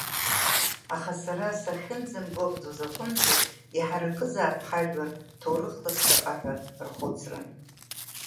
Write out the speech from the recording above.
Аха сара сахьынӡамгәыӷӡоз аҟынӡа иҳаракызаап ҳажәлар ҭоурыхла ԥхьаҟа ҳәа рхәыцра.